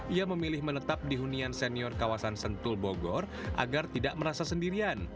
ia memilih menetap di hunian senior kawasan sentul bogor agar tidak merasa sendirian